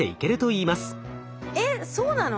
えっそうなの？